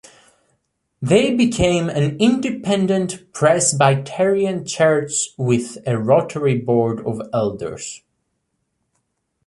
They became an Independent Presbyterian church with a rotary board of elders.